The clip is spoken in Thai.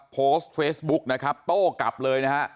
โพสต์เฟซบุ๊คโต้กลับเลย